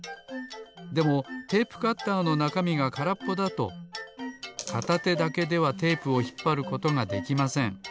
でもテープカッターのなかみがからっぽだとかたてだけではテープをひっぱることができません。